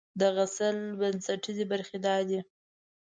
د غزل بنسټیزې برخې دا دي: